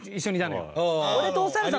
俺とおさるさん。